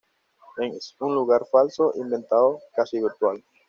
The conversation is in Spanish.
Es un lugar falso, inventado, casi virtual.